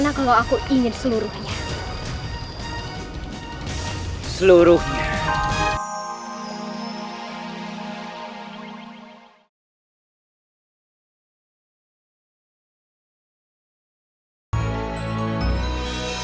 aku akan memberikanmu seperempat wilayah